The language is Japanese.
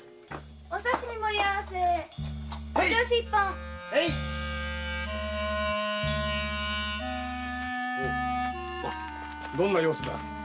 おいどんな様子だ？